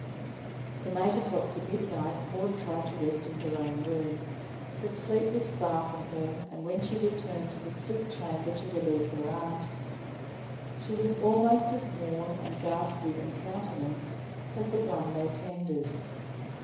From eight o'clock to midnight Maud tried to rest in her own room, but sleep was far from her, and when she returned to the sick chamber to relieve her aunt, she was almost as worn and ghastly in countenance as the one they tended.